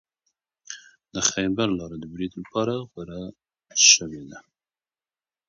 د خیبر لاره د برید لپاره غوره شوې ده.